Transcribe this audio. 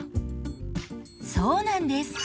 そうなんです。